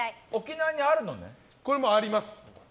これ、あります。